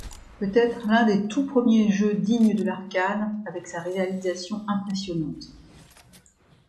Peut-être un des tout premier jeu digne de l'arcade avec sa réalisation impressionnante.